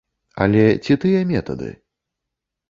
Але ці тыя метады?